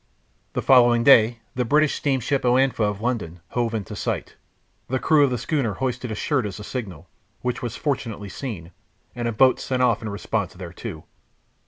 The following day the British steamship Oanfa, of London, hove in sight. The crew of the schooner hoisted a shirt as a signal, which was fortunately seen, and a boat sent off in response thereto.